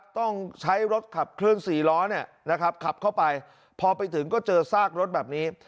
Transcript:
ต้องใช้รถขับเคลื่อน๔ล้อขับเข้าไปพอไปถึงก็เจอซากรถแบบนี้